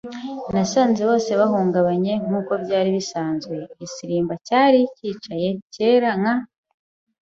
Nasanze bose bahungabanye, nkuko byari bisanzwe. Igisimba cyari cyicaye, cyera nka